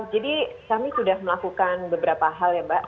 jadi kami sudah melakukan beberapa hal ya mbak